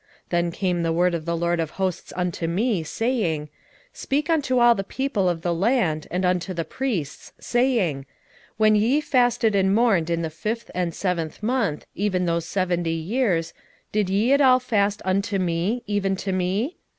7:4 Then came the word of the LORD of hosts unto me, saying, 7:5 Speak unto all the people of the land, and to the priests, saying, When ye fasted and mourned in the fifth and seventh month, even those seventy years, did ye at all fast unto me, even to me?